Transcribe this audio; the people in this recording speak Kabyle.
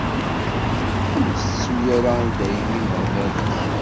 Ur ttettu ara i dayem imeɣban-ik.